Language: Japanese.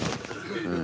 うん。